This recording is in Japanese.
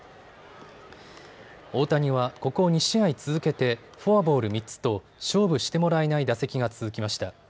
大谷はここ２試合続けてフォアボール３つと勝負してもらえない打席が続きました。